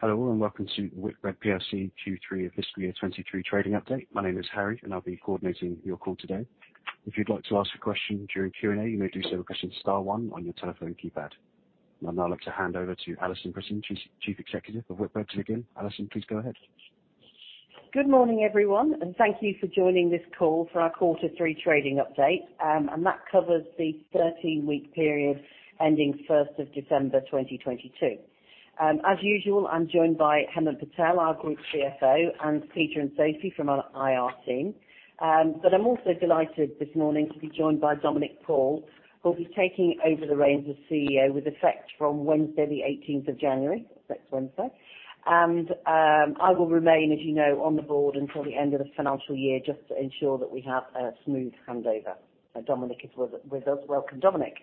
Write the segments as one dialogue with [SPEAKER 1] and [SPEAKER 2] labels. [SPEAKER 1] Hello, and welcome to Whitbread PLC Q3 of fiscal year 2023 trading update. My name is Harry, and I'll be coordinating your call today. If you'd like to ask a question during Q&A, you may do so by pressing star one on your telephone keypad. I'd now like to hand over to Alison Brittain, Chief Executive of Whitbread. Alison, please go ahead.
[SPEAKER 2] Good morning, everyone, thank you for joining this call for our Q3 trading update. That covers the 13-week period ending December 1, 2022. As usual, I'm joined by Hemant Patel, our Group CFO, and Peter and Sophie from our IR team. I'm also delighted this morning to be joined by Dominic Paul, who'll be taking over the reins of CEO with effect from Wednesday, January 18, next Wednesday. I will remain, as you know, on the board until the end of the financial year just to ensure that we have a smooth handover. Dominic is with us. Welcome, Dominic.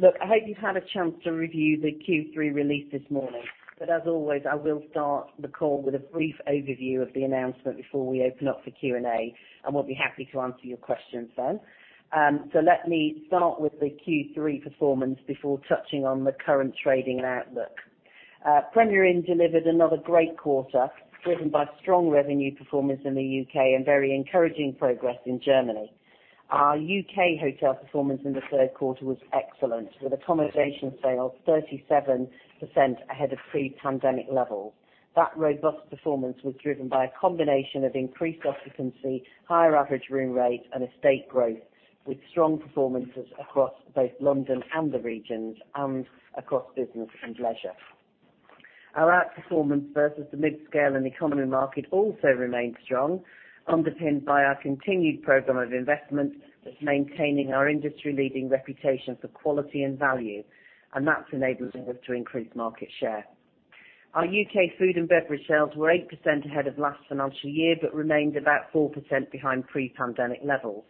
[SPEAKER 2] Look, I hope you've had a chance to review the Q3 release this morning. As always, I will start the call with a brief overview of the announcement before we open up for Q&A, and we'll be happy to answer your questions then. Let me start with the Q3 performance before touching on the current trading and outlook. Premier Inn delivered another great quarter, driven by strong revenue performance in the U.K. and very encouraging progress in Germany. Our U.K. hotel performance in the 3rd quarter was excellent, with accommodation sales 37% ahead of pre-pandemic levels. That robust performance was driven by a combination of increased occupancy, higher average room rate, and estate growth, with strong performances across both London and the regions and across business and leisure. Our outperformance versus the mid-scale and economy market also remains strong, underpinned by our continued program of investment that's maintaining our industry-leading reputation for quality and value, and that's enabling us to increase market share. Our U.K. food and beverage sales were 8% ahead of last financial year, but remained about 4% behind pre-pandemic levels.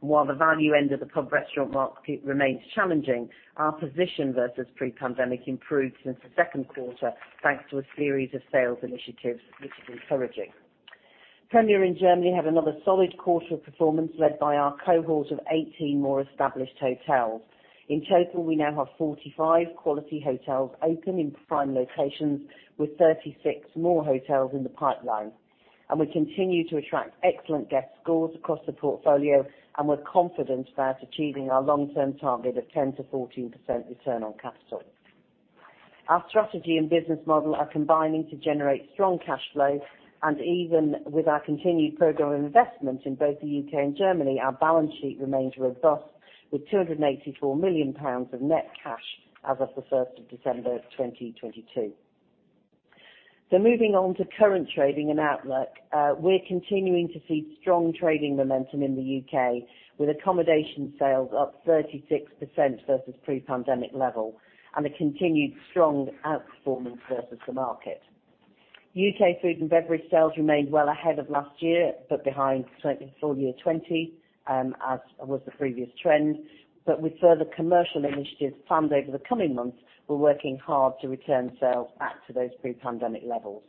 [SPEAKER 2] While the value end of the pub restaurant market remains challenging, our position versus pre-pandemic improved since the second quarter thanks to a series of sales initiatives, which is encouraging. Premier Inn Germany had another solid quarter of performance, led by our cohort of 18 more established hotels. In total, we now have 45 quality hotels open in prime locations with 36 more hotels in the pipeline. We continue to attract excellent guest scores across the portfolio, and we're confident about achieving our long-term target of 10%-14% return on capital. Our strategy and business model are combining to generate strong cash flow, and even with our continued program investment in both the U.K. and Germany, our balance sheet remains robust with 284 million pounds of net cash as of the 1st of December, 2022. Moving on to current trading and outlook, we're continuing to see strong trading momentum in the U.K, with accommodation sales up 36% versus pre-pandemic level and a continued strong outperformance versus the market. U.K. food and beverage sales remained well ahead of last year, but behind full year 2020, as was the previous trend. With further commercial initiatives planned over the coming months, we're working hard to return sales back to those pre-pandemic levels.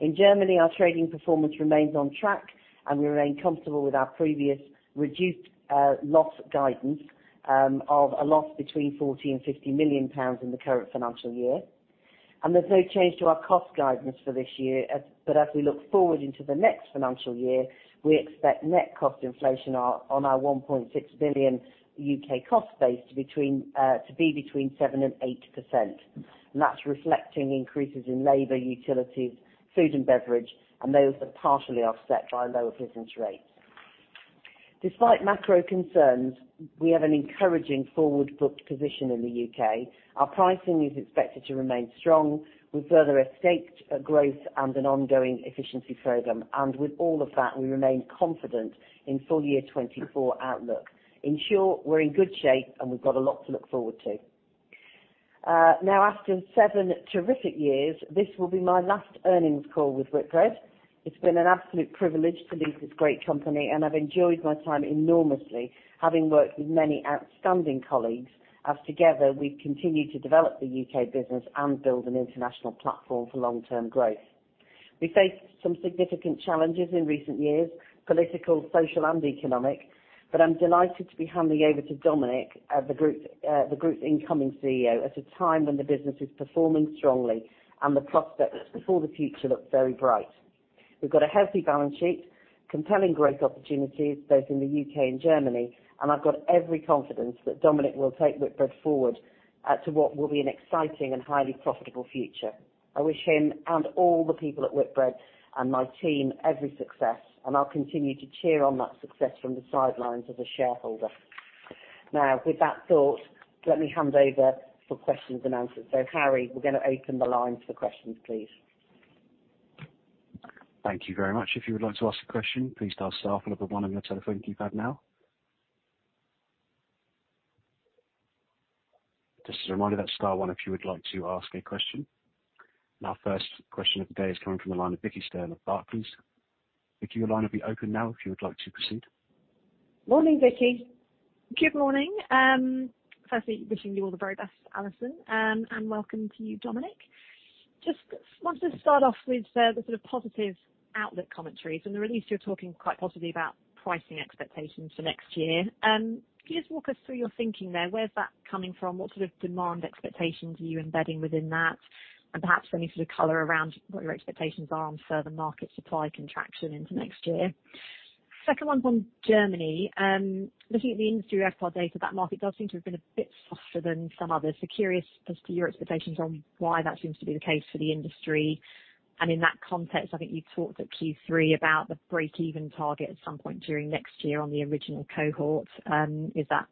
[SPEAKER 2] In Germany, our trading performance remains on track, and we remain comfortable with our previous reduced loss guidance of a loss between 40 million and 50 million pounds in the current financial year. There's no change to our cost guidance for this year. As we look forward into the next financial year, we expect net cost inflation on our 1.6 billion U.K. cost base to be between 7% and 8%. That's reflecting increases in labor, utilities, food and beverage, and those are partially offset by lower business rates. Despite macro concerns, we have an encouraging forward booked position in the U.K. Our pricing is expected to remain strong with further estate growth and an ongoing efficiency program. With all of that, we remain confident in full year 2024 outlook. In short, we're in good shape, and we've got a lot to look forward to. Now, after seven terrific years, this will be my last earnings call with Whitbread. It's been an absolute privilege to lead this great company, and I've enjoyed my time enormously, having worked with many outstanding colleagues, as together, we've continued to develop the U.K. business and build an international platform for long-term growth. We faced some significant challenges in recent years, political, social, and economic. I'm delighted to be handing over to Dominic, the group's incoming CEO, at a time when the business is performing strongly and the prospects for the future look very bright. We've got a healthy balance sheet, compelling growth opportunities both in the U.K. and Germany. I've got every confidence that Dominic will take Whitbread forward to what will be an exciting and highly profitable future. I wish him and all the people at Whitbread and my team every success. I'll continue to cheer on that success from the sidelines as a shareholder. With that thought, let me hand over for questions and answers. Harry, we're going to open the line for questions, please.
[SPEAKER 1] Thank you very much. If you would like to ask a question, please dial star followed by one on your telephone keypad now. Just a reminder, that's star one if you would like to ask a question. Our first question of the day is coming from the line of Vicki Stern of Barclays. Vicky, your line will be open now if you would like to proceed.
[SPEAKER 2] Morning, Vicki.
[SPEAKER 3] Good morning. Firstly wishing you all the very best, Alison, and welcome to you, Dominic. Just want to start off with the sort of positive outlook commentaries. In the release you're talking quite positively about pricing expectations for next year. Can you just walk us through your thinking there? Where's that coming from? What sort of demand expectations are you embedding within that? Perhaps any sort of color around what your expectations are on further market supply contraction into next year. Second one's on Germany. Looking at the industry RevPAR data, that market does seem to have been a bit softer than some others. Curious as to your expectations on why that seems to be the case for the industry. In that context, I think you talked at Q3 about the break-even target at some point during next year on the original cohort. Would that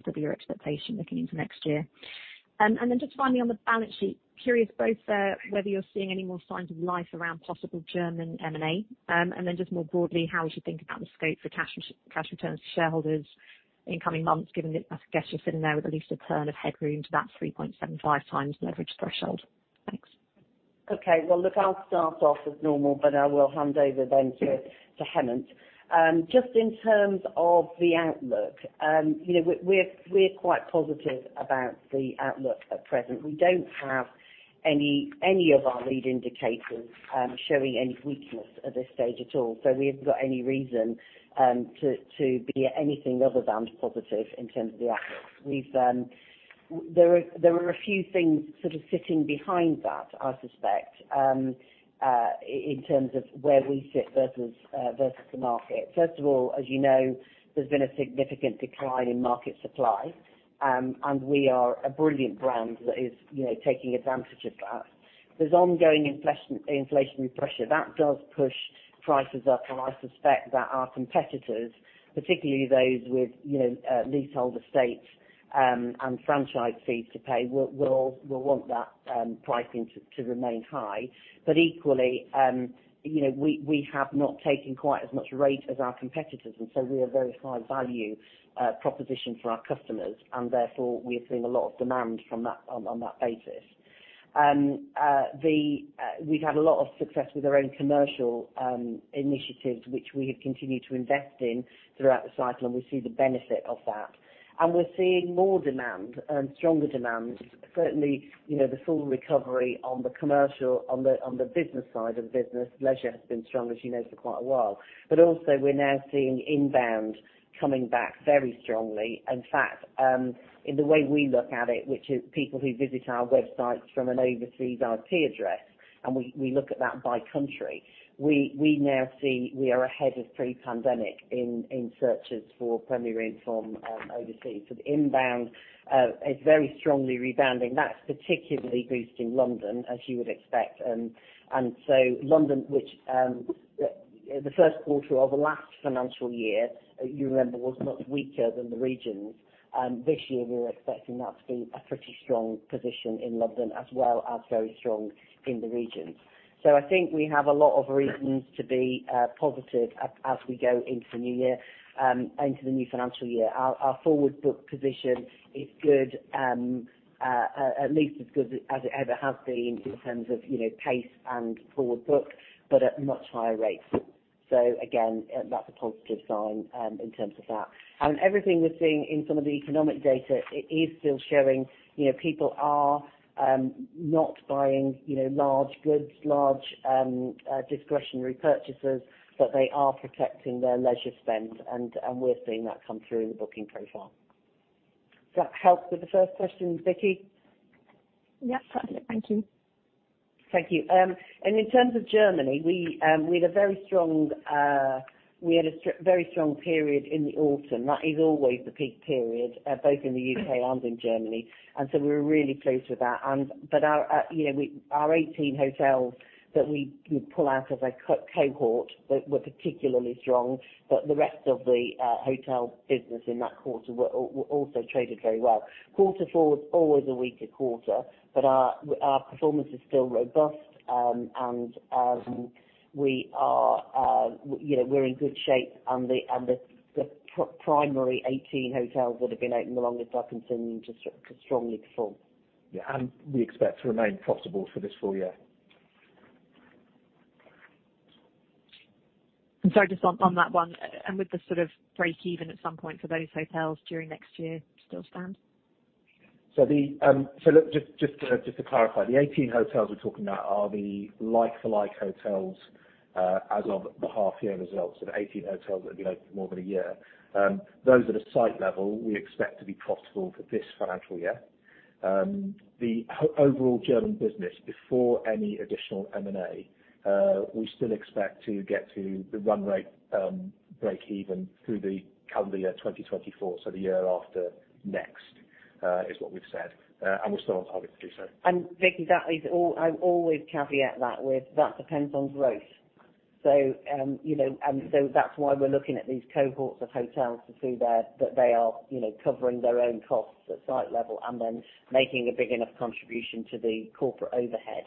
[SPEAKER 3] still be your expectation looking into next year? Just finally on the balance sheet, curious both, whether you're seeing any more signs of life around possible German M&A, and then just more broadly, how we should think about the scope for cash re-cash returns to shareholders in coming months, given that I guess you're sitting there with at least a turn of headroom to that 3.75 times leverage threshold. Thanks.
[SPEAKER 2] Okay. Well, look, I'll start off as normal, but I will hand over then to Hemant. Just in terms of the outlook, you know, we're quite positive about the outlook at present. We don't have any of our lead indicators showing any weakness at this stage at all. We haven't got any reason to be anything other than positive in terms of the outlook. We've there are a few things sort of sitting behind that, I suspect, in terms of where we sit versus the market. First of all, as you know, there's been a significant decline in market supply. We are a brilliant brand that is, you know, taking advantage of that. There's ongoing inflationary pressure. That does push prices up, and I suspect that our competitors, particularly those with, you know, leasehold estates, and franchise fees to pay, will want that pricing to remain high. Equally, you know, we have not taken quite as much rate as our competitors, and so we are very high value proposition for our customers, and therefore we are seeing a lot of demand from that on that basis. We've had a lot of success with our own commercial initiatives, which we have continued to invest in throughout the cycle, and we see the benefit of that. We're seeing more demand and stronger demand. Certainly, you know, the full recovery on the commercial on the business side of the business. Leisure has been strong, as you know, for quite a while. Also we're now seeing inbound coming back very strongly. In fact, in the way we look at it, which is people who visit our websites from an overseas IP address, and we look at that by country, we now see we are ahead of pre-pandemic in searches for Premier Inn from overseas. The inbound is very strongly rebounding. That's particularly boosting London, as you would expect. London, which the first quarter of the last financial year, you remember, was much weaker than the regions. This year we're expecting that to be a pretty strong position in London, as well as very strong in the regions. I think we have a lot of reasons to be positive as we go into the new year, into the new financial year. Our forward book position is good, at least as good as it ever has been in terms of, you know, pace and forward book, but at much higher rates. Again, that's a positive sign in terms of that. Everything we're seeing in some of the economic data, it is still showing, you know, people are not buying, you know, large goods, large discretionary purchases, but they are protecting their leisure spend, and we're seeing that come through in the booking profile. Does that help with the first question, Vicki?
[SPEAKER 3] Yeah, perfect. Thank you.
[SPEAKER 2] Thank you. In terms of Germany, we had a very strong period in the autumn. That is always the peak period, both in the U.K. and in Germany. We were really pleased with that. Our, you know, we, our 18 hotels that we pull out as a co-cohort that were particularly strong, but the rest of the hotel business in that quarter were also traded very well. Quarter 4 is always a weaker quarter, but our performance is still robust. We are, you know, we're in good shape and the primary 18 hotels that have been open the longest are continuing to strongly perform.
[SPEAKER 4] Yeah. We expect to remain profitable for this full year.
[SPEAKER 3] I'm sorry, just on that one. Would the sort of break even at some point for those hotels during next year still stand?
[SPEAKER 4] To clarify, the 18 hotels we're talking about are the like-for-like hotels as of the half year results. The 18 hotels that have been open for more than a year. Those at a site level we expect to be profitable for this financial year. The overall German business, before any additional M&A, we still expect to get to the run rate break even through the calendar year 2024, the year after next, is what we've said. We're still on target to do so.
[SPEAKER 2] Vicky, I always caveat that with that depends on growth. You know, that's why we're looking at these cohorts of hotels to see that they are, you know, covering their own costs at site level and then making a big enough contribution to the corporate overhead.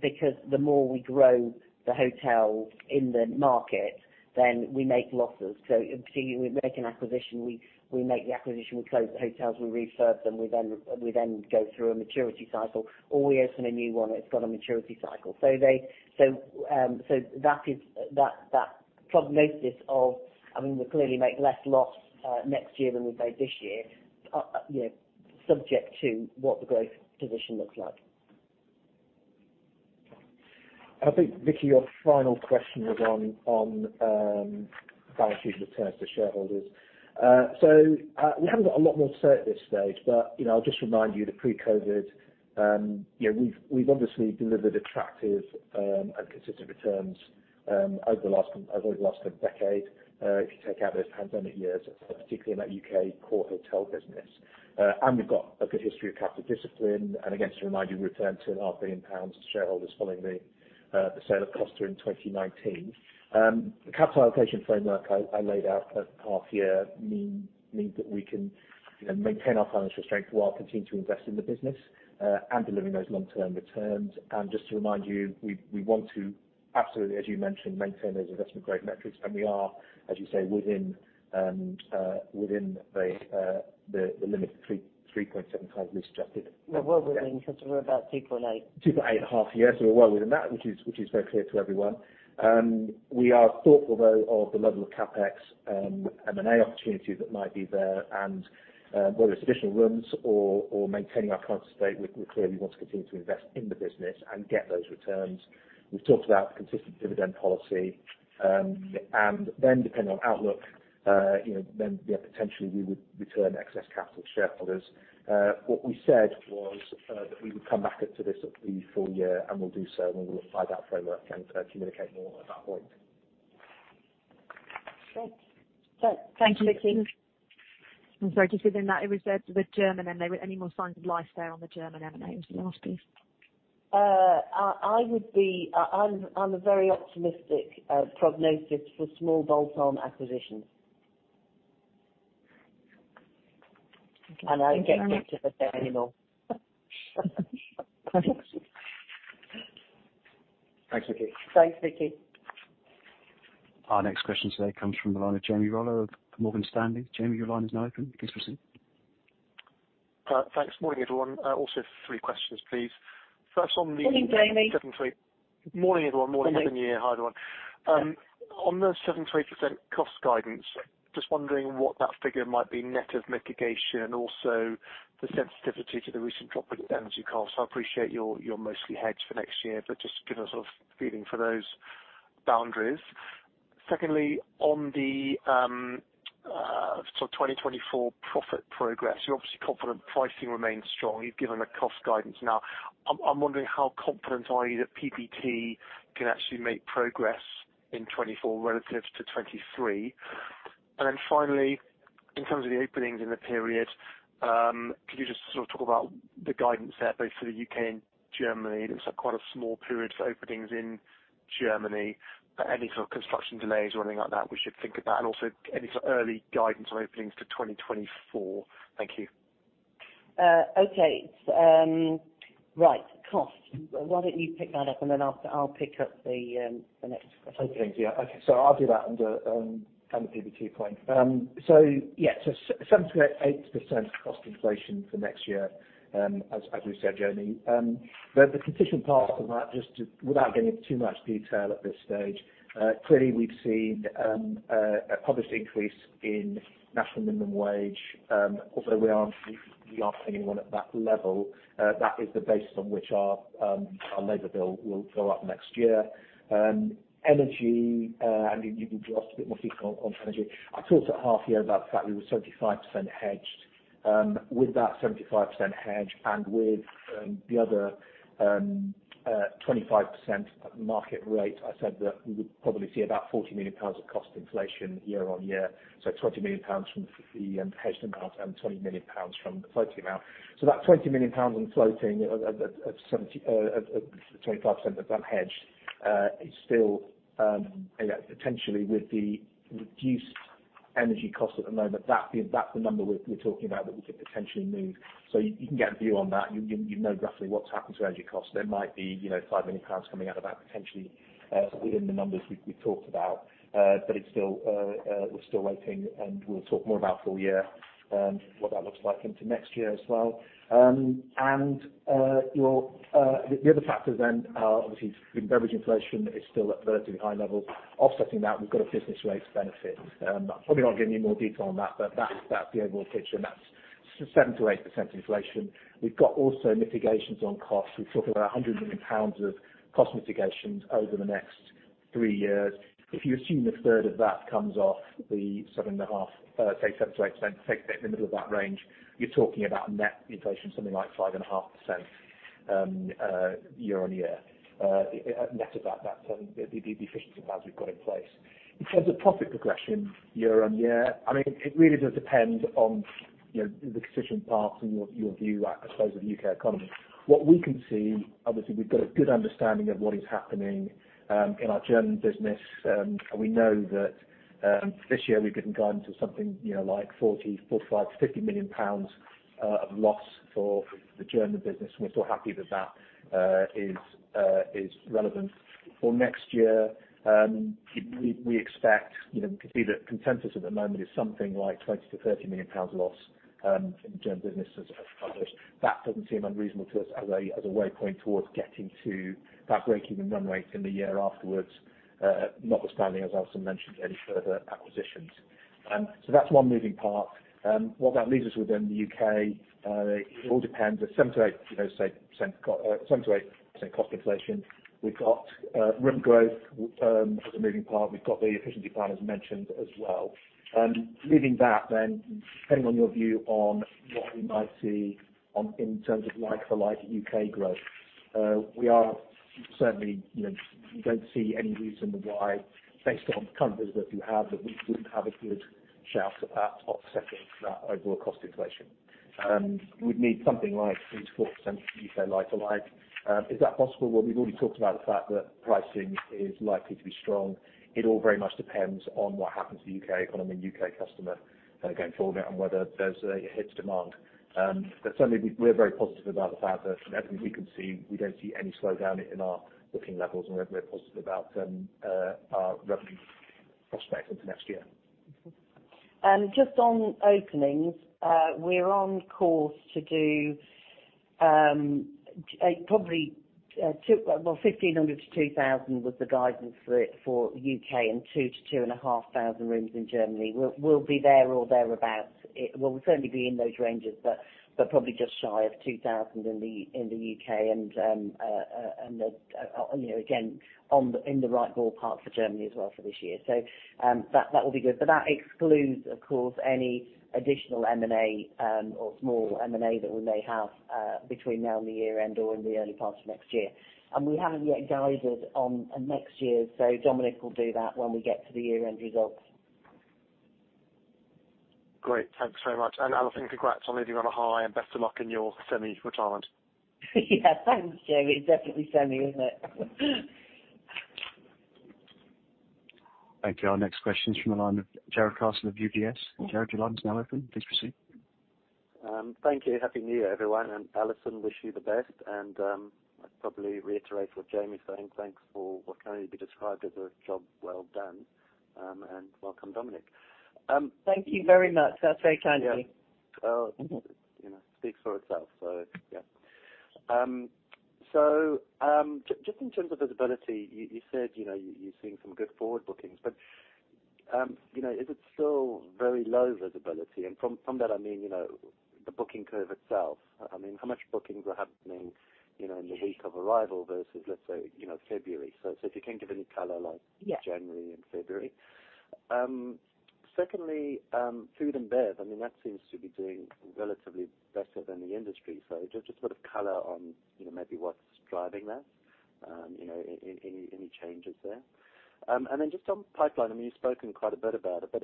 [SPEAKER 2] Because the more we grow the hotels in the market, then we make losses. Particularly we make an acquisition, we make the acquisition, we close the hotels, we refurb them, we then go through a maturity cycle, or we open a new one and it's got a maturity cycle. That is that prognosis of, I mean, we'll clearly make less loss next year than we made this year, you know, subject to what the growth position looks like.
[SPEAKER 4] I think, Vicki, your final question was on balancing returns to shareholders. We haven't got a lot more to say at this stage, but, you know, I'll just remind you that pre-COVID, you know, we've obviously delivered attractive and consistent returns over the last decade, if you take out those pandemic years, particularly in that UK core hotel business. We've got a good history of capital discipline, and again, to remind you, we returned 2.5 billion pounds to shareholders following the sale of Costa in 2019. The capital allocation framework I laid out at half year means that we can, you know, maintain our financial strength while continuing to invest in the business and delivering those long-term returns. Just to remind you, we want to absolutely, as you mentioned, maintain those investment-grade metrics. We are, as you say, within the limit of 3.7 times EBITDA.
[SPEAKER 2] We're well within because we're about 2.8.
[SPEAKER 4] 2.8 half year, we're well within that, which is very clear to everyone. We are thoughtful, though, of the level of CapEx and M&A opportunities that might be there, and whether it's additional rooms or maintaining our current state, we clearly want to continue to invest in the business and get those returns. We've talked about consistent dividend policy. Depending on outlook, you know, then, potentially we would return excess capital to shareholders. What we said was that we would come back up to this at the full year, and we'll do so when we apply that framework and communicate more at that point.
[SPEAKER 3] Great. Thank you.
[SPEAKER 2] Thank you, Vicki. I'm sorry, just within that, it was the German M&A, any more signs of life there on the German M&A was the last piece.
[SPEAKER 3] I'm a very optimistic prognosis for small bolt-on acquisitions. Okay. Thank you very much.
[SPEAKER 2] I don't get kicked if I say anymore.
[SPEAKER 3] Thanks.
[SPEAKER 4] Thanks, Vicki.
[SPEAKER 2] Thanks, Vicki.
[SPEAKER 1] Our next question today comes from the line of Jamie Rollo of Morgan Stanley. Jamie, your line is now open. Please proceed.
[SPEAKER 5] Thanks. Morning, everyone. Also three questions, please. First on.
[SPEAKER 2] Morning, Jeremy.
[SPEAKER 5] Morning, everyone. Morning, Helen. Yeah. Hi, everyone. On the 7.8% cost guidance, just wondering what that figure might be net of mitigation, also the sensitivity to the recent drop in energy costs. I appreciate you're mostly hedged for next year, just give us a feeling for those boundaries. Secondly, on the sort of 2024 profit progress, you're obviously confident pricing remains strong. You've given the cost guidance. I'm wondering how confident are you that PPT can actually make progress in 24 relative to 23. Finally, in terms of the openings in the period, could you just sort of talk about the guidance there, both for the UK and Germany? It's quite a small period for openings in Germany. Any sort of construction delays or anything like that we should think about? Also any sort of early guidance on openings to 2024? Thank you.
[SPEAKER 2] Okay. Right. Cost. Why don't you pick that up, and then I'll pick up the next question.
[SPEAKER 4] Openings. Yeah. Okay. I'll do that and the PBT point. Yeah, 7%-8% cost inflation for next year, as we said, Jeremy. The constituent parts of that, just to-- without getting into too much detail at this stage, clearly we've seen a published increase in National Minimum Wage, although we aren't paying anyone at that level. That is the basis on which our labor bill will go up next year. Energy, and you asked a bit more detail on energy. I talked at half year about the fact we were 75% hedged. With that 75% hedge and with the other 25% market rate, I said that we would probably see about 40 million pounds of cost inflation year-over-year, so 20 million pounds from the hedged amount and 20 million pounds from the floating amount. That 20 million pounds on floating of the 25% that's unhedged is still, you know, potentially with the reduced energy cost at the moment, that's the number we're talking about that we could potentially move. You can get a view on that. You know roughly what's happened to energy costs. There might be, you know, 5 million pounds coming out of that potentially within the numbers we've talked about. It's still, we're still waiting, and we'll talk more about full year, what that looks like into next year as well. Your, the other factors then are obviously food and beverage inflation is still at relatively high levels. Offsetting that, we've got a business rates benefit. I'll probably not give any more detail on that, but that's the overall picture, and that's 7%-8% inflation. We've got also mitigations on costs. We've talked about GBP 100 million of cost mitigations over the next three years. If you assume a third of that comes off the 7.5, say 7%-8%, take the middle of that range, you're talking about net inflation something like 5.5%, year-on-year. Net of that, the efficiency plans we've got in place. In terms of profit progression year on year, I mean, it really does depend on, you know, the constituent parts and your view, I suppose, of the U.K. economy. What we can see, obviously, we've got a good understanding of what is happening in our German business, and we know that this year we've given guidance of something, you know, like 40 million pounds, 45 million, 50 million pounds of loss for the German business, and we're still happy that that is relevant. For next year, we expect, you know, we can see the consensus at the moment is something like 20 million-30 million pounds loss in German business as published. That doesn't seem unreasonable to us as a way point towards getting to that breakeven run rate in the year afterwards, notwithstanding, as Alison mentioned, any further acquisitions. That's one moving part. What that leaves us with in the U.K., it all depends at 7%-8% cost inflation. We've got room growth, as a moving part. We've got the efficiency plan, as mentioned as well. Leaving that then, depending on your view in terms of like-for-like U.K. growth, we are certainly, you know, we don't see any reason why, based on the conversations that we have, that we wouldn't have a good shout at offsetting that overall cost inflation. We'd need something like 3%-4% U.K. like-for-like. Is that possible? Well, we've already talked about the fact that pricing is likely to be strong. It all very much depends on what happens to U.K. economy and U.K. customer going forward and whether there's a hit to demand. Certainly we're very positive about the fact that from everything we can see, we don't see any slowdown in our booking levels, and we're positive about our revenue prospects into next year.
[SPEAKER 2] Just on openings, we're on course to do, probably, Well, 1,500-2,000 was the guidance for U.K. and 2,000-2,500 rooms in Germany. We'll be there or thereabout. Well, we'll certainly be in those ranges, but probably just shy of 2,000 in the U.K. and the, you know, again, on the, in the right ballpark for Germany as well for this year. That will be good. That excludes, of course, any additional M&A or small M&A that we may have between now and the year-end or in the early part of next year. We haven't yet guided on next year, Dominic will do that when we get to the year-end results.
[SPEAKER 5] Great. Thanks very much. Alison, congrats on leaving on a high, and best of luck in your semi-retirement.
[SPEAKER 2] Yeah. Thanks, Jamie. It's definitely semi, isn't it?
[SPEAKER 1] Thank you. Our next question is from the line of Gerard Khoo of UBS. Gerard, your line is now open. Please proceed.
[SPEAKER 6] Thank you. Happy New Year, everyone. Alison, wish you the best. I'd probably reiterate what Jamie's saying. Thanks for what can only be described as a job well done, and welcome, Dominic.
[SPEAKER 2] Thank you very much. That's very kind of you.
[SPEAKER 6] Yeah. Oh, you know, speaks for itself. Yeah. Just in terms of visibility, you said, you know, you're seeing some good forward bookings, but, you know, is it still very low visibility? From that, I mean, you know, the booking curve itself. I mean, how much bookings are happening, you know, in the week of arrival versus, let's say, you know, February? If you can give any color like...
[SPEAKER 2] Yeah.
[SPEAKER 6] January and February. Secondly, food and bev, I mean, that seems to be doing relatively better than the industry. So just sort of color on, you know, maybe what's driving that, you know, any changes there. Then just on pipeline, I mean, you've spoken quite a bit about it, but,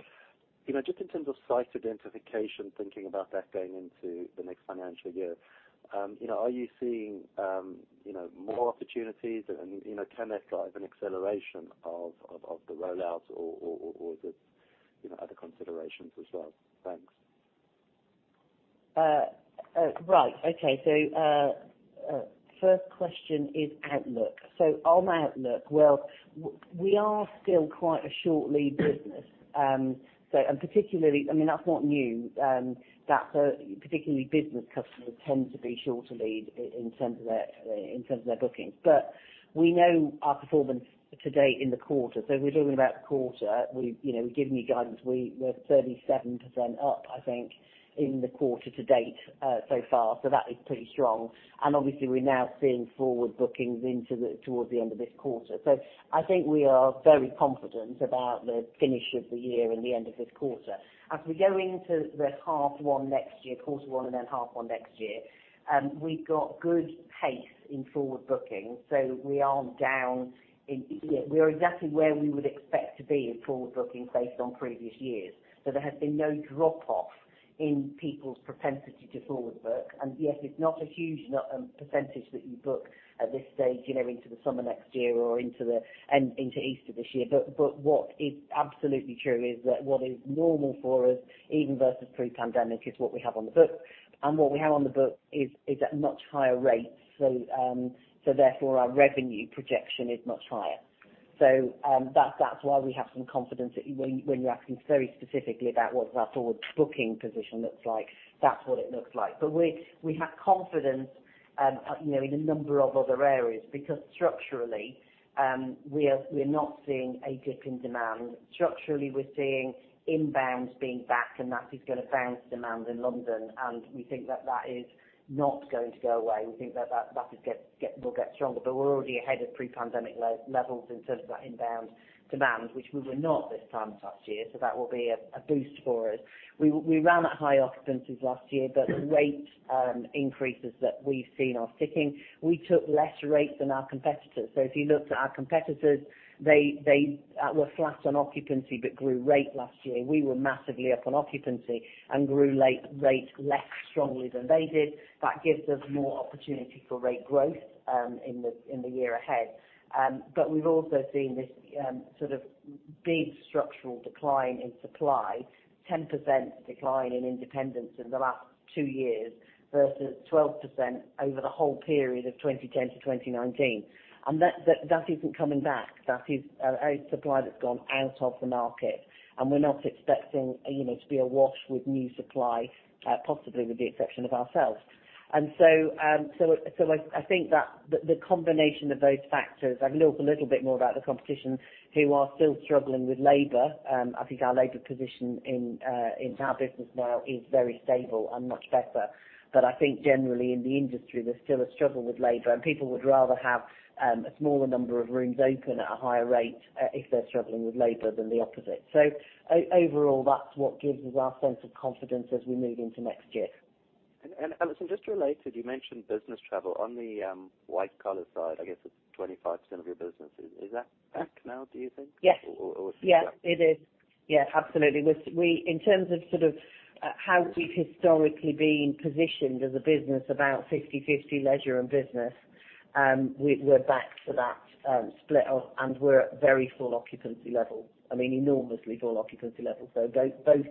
[SPEAKER 6] you know, just in terms of site identification, thinking about that going into the next financial year, you know, are you seeing, you know, more opportunities and, you know, can that drive an acceleration of the rollout or the, you know, other considerations as well? Thanks.
[SPEAKER 2] Right. Okay. First question is outlook. On outlook, well, we are still quite a short lead business. Particularly, I mean, that's not new, that particularly business customers tend to be shorter lead in terms of their in terms of their bookings. We know our performance to date in the quarter. If we're talking about the quarter, we, you know, giving you guidance, we're 37% up, I think, in the quarter to date so far. That is pretty strong. Obviously we're now seeing forward bookings towards the end of this quarter. I think we are very confident about the finish of the year and the end of this quarter. As we go into the half 1 next year, quarter 1 and then half 1 next year, we've got good pace in forward bookings, so we aren't down. You know, we are exactly where we would expect to be in forward bookings based on previous years. There has been no drop off in people's propensity to forward book. Yes, it's not a huge % that you book at this stage, you know, into the summer next year or into Easter this year. What is absolutely true is that what is normal for us, even versus pre-pandemic, is what we have on the books. What we have on the books is at much higher rates. Therefore, our revenue projection is much higher. That's why we have some confidence that when you're asking very specifically about what our forward booking position looks like, that's what it looks like. We have confidence, you know, in a number of other areas, because structurally, we're not seeing a dip in demand. Structurally, we're seeing inbound being back and that is gonna bounce demand in London, and we think that that is not going to go away. We think that that will get stronger. We're already ahead of pre-pandemic levels in terms of that inbound demand, which we were not this time last year. That will be a boost for us. We ran at high occupancies last year, but the rate increases that we've seen are sticking. We took less rate than our competitors. If you looked at our competitors, they were flat on occupancy but grew rate last year. We were massively up on occupancy and grew rate less strongly than they did. That gives us more opportunity for rate growth in the year ahead. We've also seen this sort of big structural decline in supply, 10% decline in independence in the last two years versus 12% over the whole period of 2010-2019. That isn't coming back. That is a supply that's gone out of the market, and we're not expecting, you know, to be awash with new supply, possibly with the exception of ourselves. I think that the combination of those factors, I know a little bit more about the competition who are still struggling with labor. I think our labor position in our business now is very stable and much better. I think generally in the industry, there's still a struggle with labor, and people would rather have a smaller number of rooms open at a higher rate, if they're struggling with labor, than the opposite. Overall, that's what gives us our sense of confidence as we move into next year.
[SPEAKER 6] Alison, just related, you mentioned business travel. On the white collar side, I guess it's 25% of your business. Is that back now, do you think?
[SPEAKER 2] Yes.
[SPEAKER 6] Or.
[SPEAKER 2] Yes. It is. Yeah, absolutely. In terms of how we've historically been positioned as a business about 50/50 leisure and business, we're back to that split of. We're at very full occupancy levels. I mean, enormously full occupancy levels. Both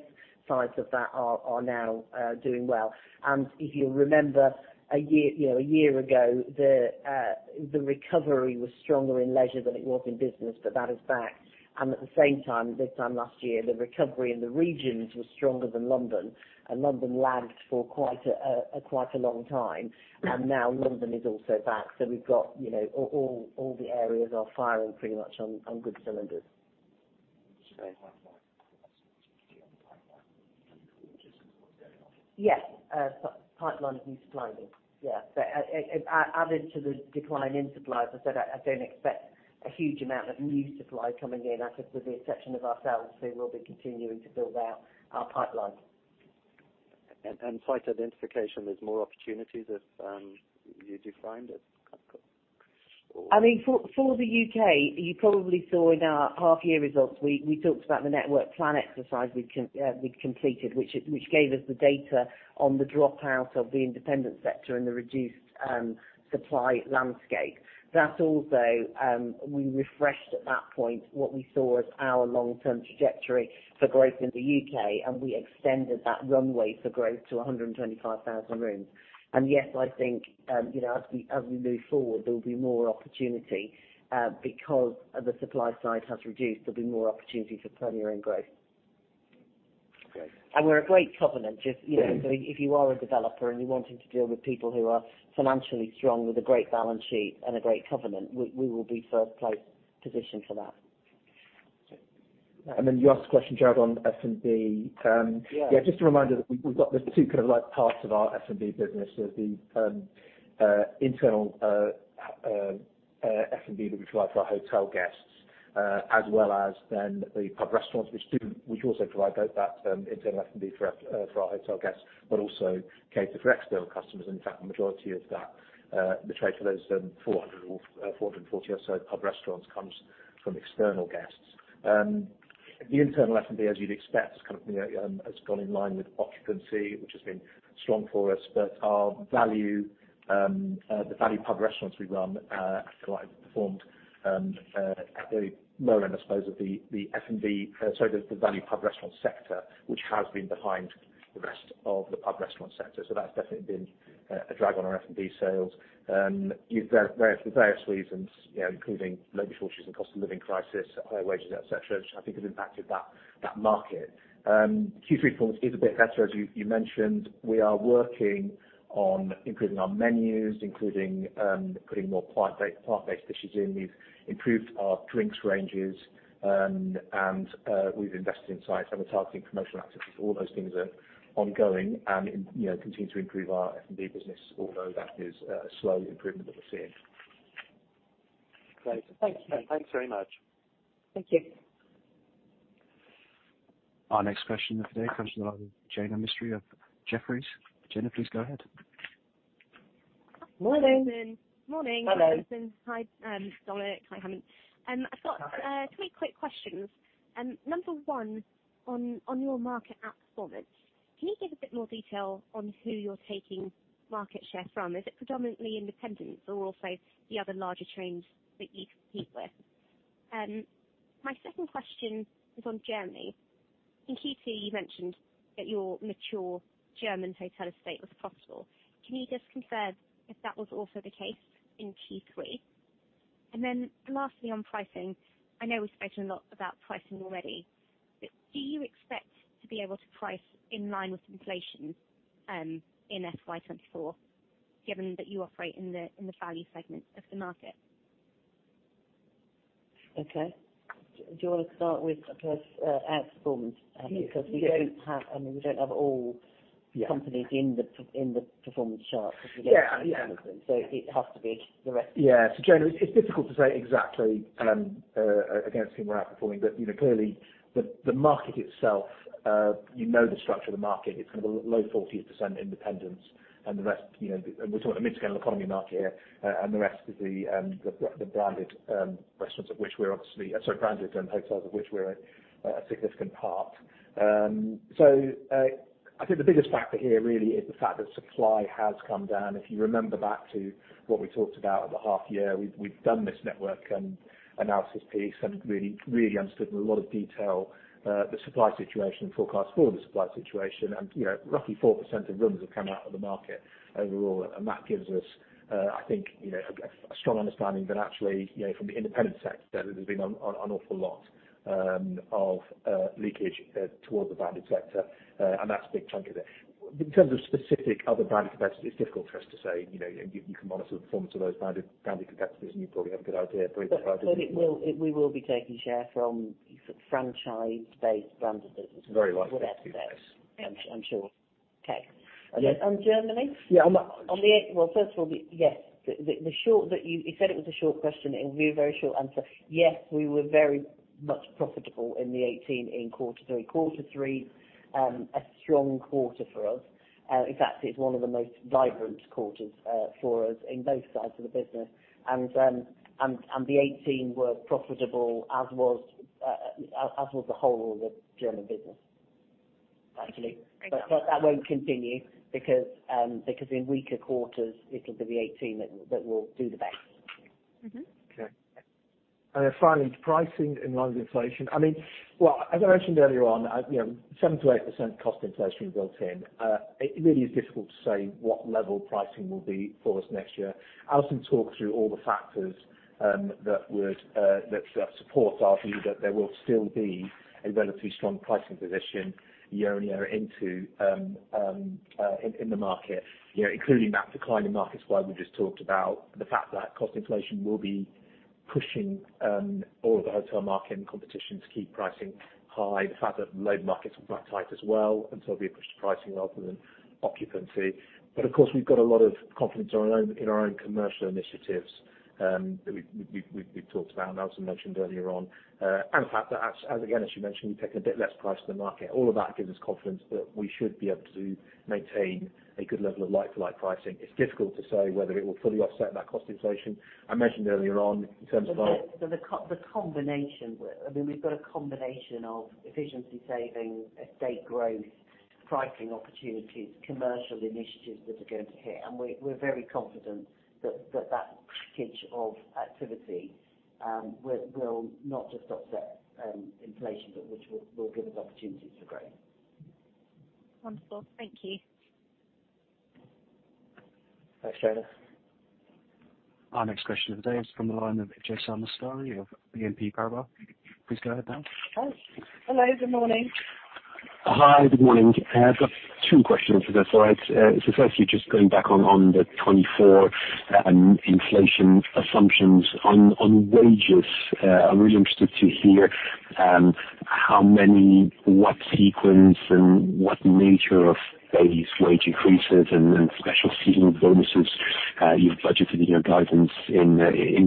[SPEAKER 2] sides of that are now doing well. If you remember one year, you know, one year ago, the recovery was stronger in leisure than it was in business, but that is back. At the same time, this time last year, the recovery in the regions was stronger than London, and London lagged for quite a long time. Now London is also back. We've got, you know, all the areas are firing pretty much on good cylinders. Yes. Pipeline of new supply then. Yeah. added to the decline in suppliers, I said I don't expect a huge amount of new supply coming in, I think with the exception of ourselves, who will be continuing to build out our pipeline.
[SPEAKER 6] Site identification, there's more opportunities as, you do find it?
[SPEAKER 2] I mean, for the U.K., you probably saw in our half year results we talked about the network plan exercise we'd completed, which gave us the data on the dropout of the independent sector and the reduced supply landscape. That also we refreshed at that point what we saw as our long-term trajectory for growth in the U.K., and we extended that runway for growth to 125,000 rooms. Yes, I think, you know, as we move forward, there will be more opportunity. Because the supply side has reduced, there'll be more opportunity for Premier Inn growth.
[SPEAKER 6] Okay.
[SPEAKER 2] We're a great covenant.
[SPEAKER 7] Yeah.
[SPEAKER 2] If you are a developer and you're wanting to deal with people who are financially strong with a great balance sheet and a great covenant, we will be first place positioned for that.
[SPEAKER 8] Okay.
[SPEAKER 4] You asked a question, Gerard, on F&B.
[SPEAKER 8] Yeah.
[SPEAKER 4] Just a reminder that we've got these two kind of like parts of our F&B business. There's the internal F&B that we provide for our hotel guests, as well as then the pub restaurants which also provide both that internal F&B for our hotel guests, but also cater for external customers. In fact, the majority of that the trade for those 400 or 440 or so pub restaurants comes from external guests. The internal F&B, as you'd expect, kind of, you know, has gone in line with occupancy, which has been strong for us. Our value, the value pub restaurants we run, feel like performed at the low end, I suppose, of the F&B, sorry, the value pub restaurant sector, which has been behind the rest of the pub restaurant sector. That's definitely been a drag on our F&B sales. Various reasons, you know, including labor shortages and cost of living crisis, higher wages, et cetera, which I think has impacted that market. Q3 performance is a bit better, as you mentioned. We are working on improving our menus, including putting more plant-based dishes in. We've improved our drinks ranges, and we've invested in sites, and we're targeting promotional activities. All those things are ongoing and, you know, continue to improve our F&B business, although that is a slow improvement that we're seeing.
[SPEAKER 8] Great. Thank you.
[SPEAKER 4] Okay.
[SPEAKER 8] Thanks very much.
[SPEAKER 2] Thank you.
[SPEAKER 1] Our next question of the day comes from Jaina Mistry of Jefferies. Jaina, please go ahead.
[SPEAKER 2] Morning.
[SPEAKER 9] Morning.
[SPEAKER 2] Hello.
[SPEAKER 9] Alison. Hi, Dominic Paul. Hi, Hemant Patel. I've got three quick questions. 1, on your market outperformance, can you give a bit more detail on who you're taking market share from? Is it predominantly independents or also the other larger chains that you compete with? My 2nd question is on Germany. In Q2, you mentioned that your mature German hotel estate was profitable. Can you just confirm if that was also the case in Q3? Lastly, on pricing, I know we've spoken a lot about pricing already, but do you expect to be able to price in line with inflation in FY 2024, given that you operate in the value segment of the market?
[SPEAKER 2] Okay. Do you wanna start with, I guess, outperformance?
[SPEAKER 9] Yeah.
[SPEAKER 2] We don't have, I mean, we don't have.
[SPEAKER 4] Yeah.
[SPEAKER 2] companies in the performance chart because.
[SPEAKER 9] Yeah.
[SPEAKER 2] -have all of them. It has to be the rest of them.
[SPEAKER 4] Yeah. Jaina, it's difficult to say exactly against whom we're outperforming. You know, clearly the market itself, you know the structure of the market. It's kind of low 40% independents, and the rest, you know... We're talking the mid-scale and economy market here. The rest is the branded hotels of which we're a significant part. I think the biggest factor here really is the fact that supply has come down. If you remember back to what we talked about at the half year, we've done this network analysis piece and really, really understood in a lot of detail the supply situation and forecast for the supply situation. You know, roughly 4% of rooms have come out of the market overall. That gives us, I think, you know, a strong understanding that actually, you know, from the independent sector, there has been an awful lot of leakage toward the branded sector. That's a big chunk of it. In terms of specific other branded competitors, it's difficult for us to say. You know, you can monitor the performance of those branded competitors, and you probably have a good idea of branded competitors.
[SPEAKER 2] It will, we will be taking share from franchise-based branded businesses.
[SPEAKER 4] Very likely the case.
[SPEAKER 2] whatever the case, I'm sure. Okay.
[SPEAKER 9] Yeah.
[SPEAKER 2] On Germany?
[SPEAKER 9] Yeah.
[SPEAKER 2] Well, first of all, yes. The short. You said it was a short question. It will be a very short answer. Yes, we were very much profitable in 2018 in Q3. Q3, a strong quarter for us. In fact, it's one of the most vibrant quarters for us in both sides of the business. 2018 were profitable, as was the whole of the German business actually.
[SPEAKER 9] Thank you.
[SPEAKER 2] That won't continue because in weaker quarters, it'll be the 18 that will do the best.
[SPEAKER 9] Mm-hmm.
[SPEAKER 2] Okay.
[SPEAKER 4] Finally, pricing and wage inflation. I mean, well, as I mentioned earlier on, you know, 7%-8% cost inflation built in. It really is difficult to say what level pricing will be for us next year. Alison talked through all the factors that would support our view that there will still be a relatively strong pricing position year-on-year into the market. You know, including that declining market-wide we just talked about, the fact that cost inflation will be pushing all of the hotel market and competition to keep pricing high. The fact that labor markets are quite tight as well, we push the pricing rather than occupancy. Of course, we've got a lot of confidence on our own, in our own commercial initiatives, that we've talked about and Alison mentioned earlier on. The fact that as again, as you mentioned, we've taken a bit less price than the market. All of that gives us confidence that we should be able to maintain a good level of like-for-like pricing. It's difficult to say whether it will fully offset that cost inflation. I mentioned earlier on in terms of our.
[SPEAKER 2] The combination. I mean, we've got a combination of efficiency savings, estate growth, pricing opportunities, commercial initiatives that are going to hit. We're very confident that package of activity will not just offset inflation, but which will give us opportunities for growth.
[SPEAKER 9] Wonderful. Thank you.
[SPEAKER 4] Thanks, Jaina.
[SPEAKER 1] Our next question of the day is from the line of Jaime Echanove of BNP Paribas. Please go ahead now.
[SPEAKER 2] Hello. Good morning.
[SPEAKER 10] Hi, good morning. I've got two questions, if that's all right. firstly, just going back on the 2024 inflation assumptions on wages. I'm really interested to hear how many, what sequence and what nature of these wage increases and special seasonal bonuses you've budgeted in your guidance in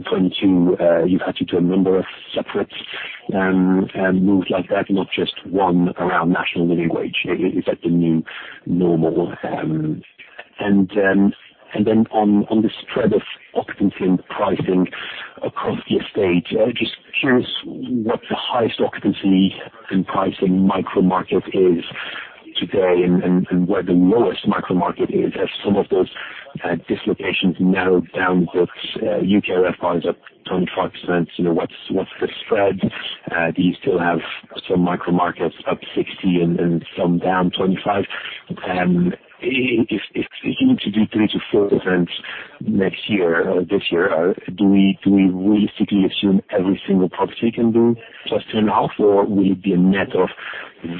[SPEAKER 10] 2022. You've had to do a number of separate moves like that, not just one around National Living Wage. Is that the new normal? on the spread of occupancy and pricing across the estate, just curious what the highest occupancy and pricing micro-market is today and, and where the lowest micro-market is. Have some of those dislocations narrowed downwards? U.K. RevPAR is up 25%. You know, what's the spread? Do you still have some micro-markets up 60 and some down 25? If you introduce 3%-4% next year, this year, do we realistically assume every single property can do +10.5%, or will it be a net of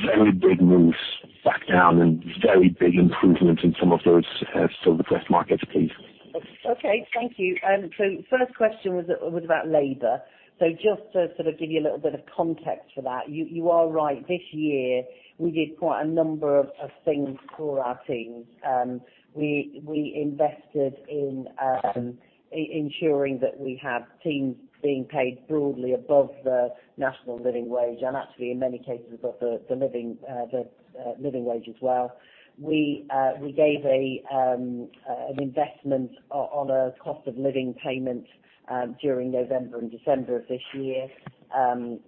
[SPEAKER 10] very big moves back down and very big improvements in some of those, silver press markets, please?
[SPEAKER 2] Okay, thank you. First question was about labor. Just to sort of give you a little bit of context for that, you are right. This year, we did quite a number of things for our teams. We invested in ensuring that we have teams being paid broadly above the National Living Wage, and actually in many cases above the living wage as well. We gave an investment on a cost of living payment during November and December of this year,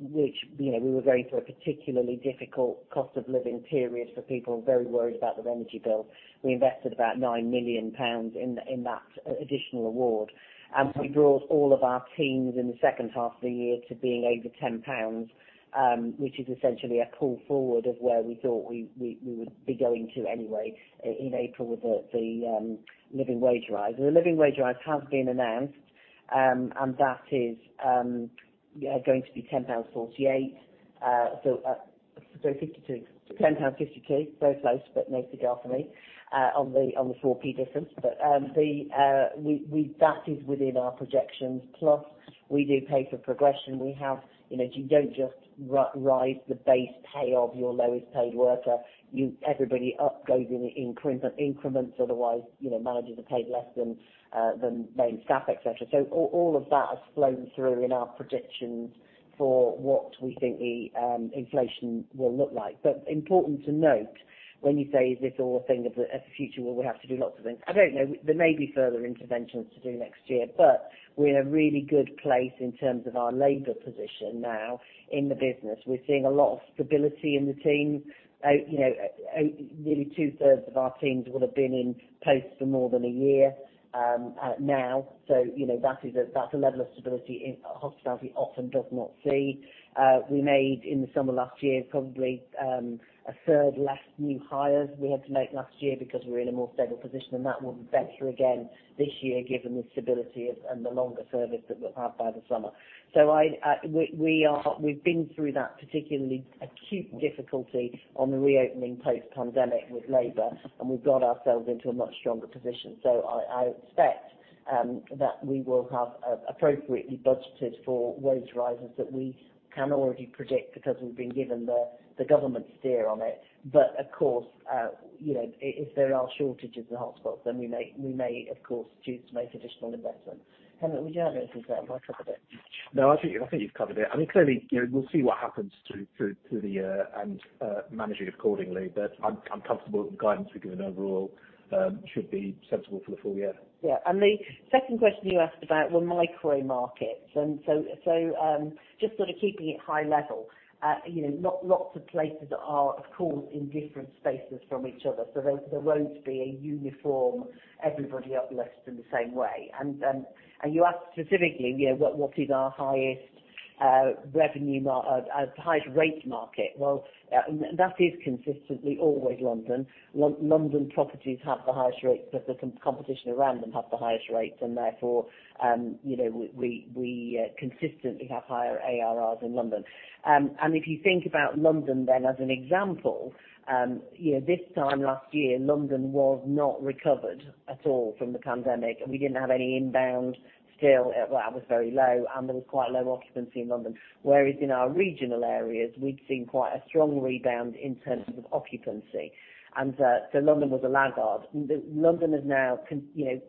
[SPEAKER 2] which, you know, we were going through a particularly difficult cost of living period for people very worried about their energy bill. We invested about 9 million pounds in that additional award. We brought all of our teams in the second half of the year to being over 10 pounds, which is essentially a pull forward of where we thought we would be going to anyway in April with the Living Wage rise. The Living Wage rise has been announced, going to be 10.48 pounds. 10.52 pounds. Very close, but no cigar for me, on the 4P difference. That is within our projections. Plus, we do pay for progression. We have. You know, you don't just rise the base pay of your lowest paid worker. Everybody up goes in increments, otherwise, you know, managers are paid less than main staff, et cetera. All of that has flown through in our predictions for what we think the inflation will look like. Important to note when you say, is this all a thing of the future where we have to do lots of things? I don't know. There may be further interventions to do next year, but we're in a really good place in terms of our labor position now in the business. We're seeing a lot of stability in the team. You know, nearly two-thirds of our teams will have been in post for more than a year now. You know, that's a level of stability in hospitality often does not see. We made in the summer last year, probably, a third less new hires we had to make last year because we're in a more stable position, and that will be better again this year given the stability of, and the longer service that we'll have by the summer. We've been through that particularly acute difficulty on the reopening post-pandemic with labor, and we've got ourselves into a much stronger position. I expect that we will have appropriately budgeted for wage rises that we can already predict because we've been given the government steer on it. Of course, you know, if there are shortages and hotspots, then we may, of course, choose to make additional investments. Hemant, would you have anything to add, or have I covered it?
[SPEAKER 4] I think you've covered it. I mean, clearly, you know, we'll see what happens through the year and manage it accordingly. I'm comfortable with the guidance we've given overall, should be sensible for the full year.
[SPEAKER 2] Yeah. The second question you asked about were micro-markets. Just sort of keeping it high level, you know, lots of places are, of course, in different spaces from each other. There won't be a uniform, everybody uplifted in the same way. You asked specifically, you know, what is our highest revenue highest rates market. Well, that is consistently always London. London properties have the highest rates, but the competition around them have the highest rates, and therefore, you know, we consistently have higher ARRs in London. If you think about London then as an example, you know, this time last year, London was not recovered at all from the pandemic. We didn't have any inbound still. It was very low, there was quite low occupancy in London. Whereas in our regional areas, we'd seen quite a strong rebound in terms of occupancy, London was a laggard. London has now, you know,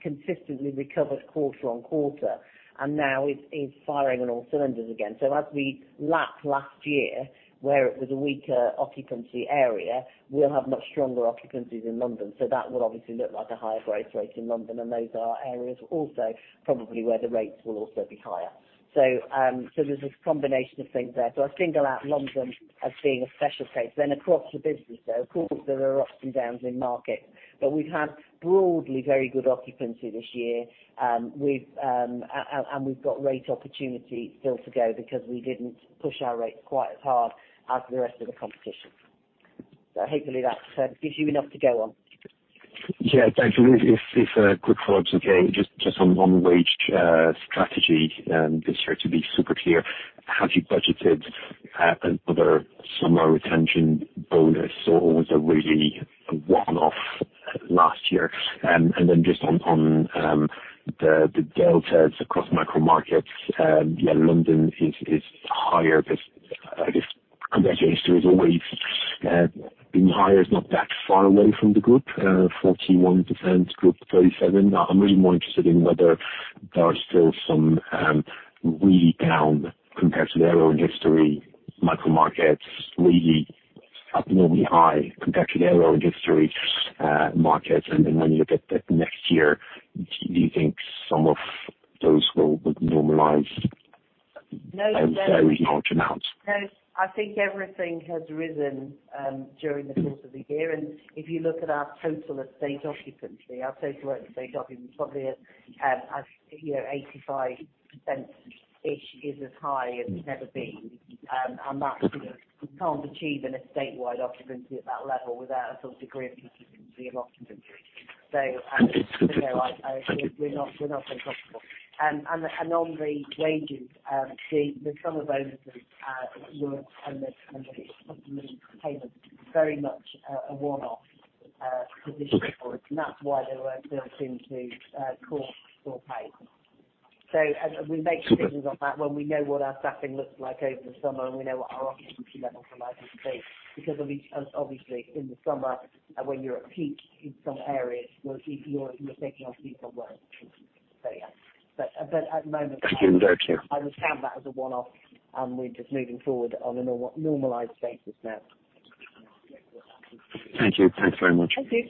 [SPEAKER 2] consistently recovered quarter on quarter, now is firing on all cylinders again. As we lap last year, where it was a weaker occupancy area, we'll have much stronger occupancies in London. That will obviously look like a higher growth rate in London, those are areas also probably where the rates will also be higher. There's this combination of things there. I single out London as being a special case. Across the business though, of course, there are ups and downs in markets, we've had broadly very good occupancy this year. We've got rate opportunity still to go because we didn't push our rates quite as hard as the rest of the competition. Hopefully that gives you enough to go on.
[SPEAKER 10] Yeah, thank you. If quick follow-up is okay. Just on one wage strategy, this year to be super clear, have you budgeted another summer retention bonus, or was it really a one-off last year? Just on the deltas across micro markets, yeah, London is higher, but I guess compared to history has always been higher, it's not that far away from the group, 41%, group 37%. I'm really more interested in whether there are still some really down compared to their own history micro markets, really abnormally high compared to their own history markets. When you look at next year, do you think some of those will normalize?
[SPEAKER 2] No.
[SPEAKER 10] Is that very hard to announce?
[SPEAKER 2] No. I think everything has risen during the course of the year. If you look at our total estate occupancy, our total estate occupancy probably at, you know, 85%-ish is as high as it's ever been. That, you know, you can't achieve an estate-wide occupancy at that level without a sort of degree of decency in occupancy. You know, we're not uncomfortable. On the wages, the summer bonuses were a company payment, very much a one-off position for it, and that's why they weren't built into core pay. We make decisions on that when we know what our staffing looks like over the summer and we know what our occupancy levels are likely to be. Obviously in the summer, when you're at peak in some areas, well, you're taking on peak of workers. Yeah. At the moment.
[SPEAKER 10] Thank you. Thank you.
[SPEAKER 2] I would count that as a one-off, and we're just moving forward on a normalized basis now.
[SPEAKER 10] Thank you. Thanks very much.
[SPEAKER 2] Thank you.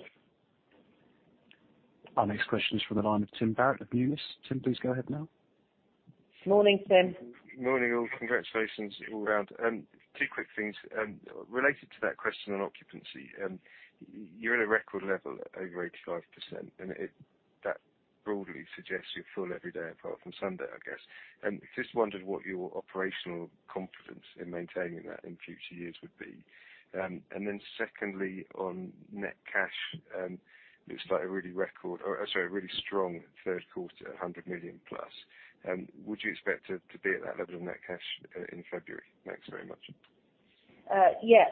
[SPEAKER 1] Our next question is from the line of Tim Barrett of Numis. Tim, please go ahead now.
[SPEAKER 2] Morning, Tim.
[SPEAKER 11] Morning, all. Congratulations all round. Two quick things. Related to that question on occupancy, you're at a record level over 85%, that broadly suggests you're full every day apart from Sunday, I guess. Just wondered what your operational confidence in maintaining that in future years would be. Secondly, on net cash, looks like a really strong third quarter, 100 million+. Would you expect it to be at that level of net cash in February? Thanks very much.
[SPEAKER 2] Yeah.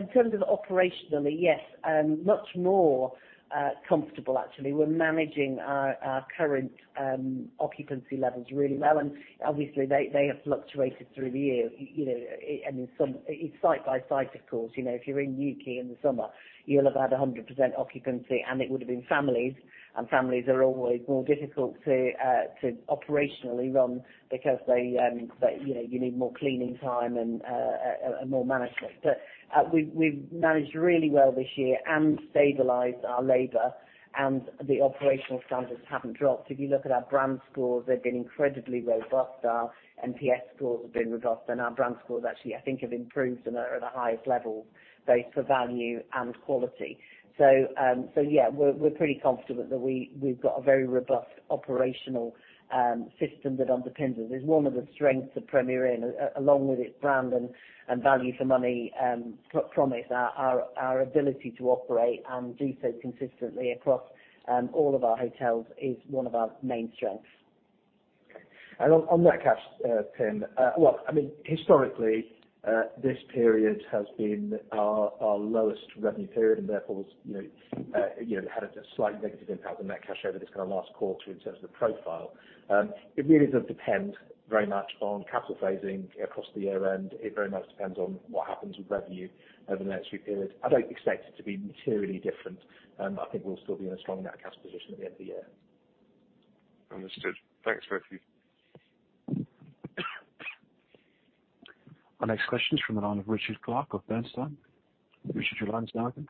[SPEAKER 2] In terms of operationally, yes, much more comfortable, actually. We're managing our current occupancy levels really well, and obviously, they have fluctuated through the year. You know, it's site by site, of course. You know, if you're in Newquay in the summer, you'll have had 100% occupancy, and it would have been families, and families are always more difficult to operationally run because they, you know, you need more cleaning time and more management. We've managed really well this year and stabilized our labor, and the operational standards haven't dropped. If you look at our brand scores, they've been incredibly robust. Our NPS scores have been robust, and our brand scores actually, I think, have improved and are at the highest level, both for value and quality. Yeah, we're pretty confident that we've got a very robust operational system that underpins us. It's one of the strengths of Premier Inn, along with its brand and value for money promise. Our ability to operate and do so consistently across all of our hotels is one of our main strengths.
[SPEAKER 4] On net cash, Tim, well, I mean, historically, this period has been our lowest revenue period, and therefore, you know, you know, had a slight negative impact on net cash over this kind of last quarter in terms of the profile. It really does depend very much on capital phasing across the year-end. It very much depends on what happens with revenue over the next few periods. I don't expect it to be materially different. I think we'll still be in a strong net cash position at the end of the year.
[SPEAKER 11] Understood. Thanks both of you.
[SPEAKER 1] Our next question is from the line of Richard Clarke of Bernstein. Richard, your line's now open.